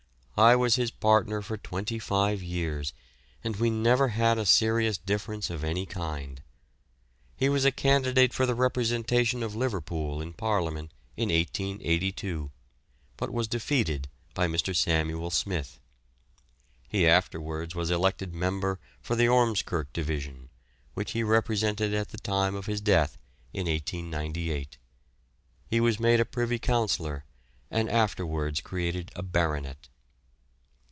I was his partner for twenty five years and we never had a serious difference of any kind. He was a candidate for the representation of Liverpool in Parliament in 1882, but was defeated by Mr. Samuel Smith. He afterwards was elected member for the Ormskirk division, which he represented at the time of his death in 1898. He was made a Privy Councillor and afterwards created a baronet.